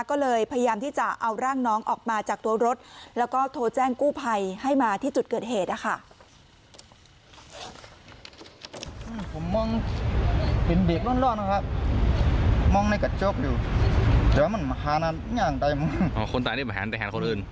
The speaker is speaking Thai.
ก็เลยพยายามที่จะเอาร่างน้องออกมาจากตัวรถแล้วก็โทรแจ้งกู้ภัยให้มาที่จุดเกิดเหตุนะคะ